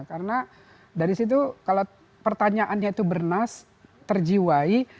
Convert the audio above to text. karena dari situ kalau pertanyaannya itu bernas terjiwai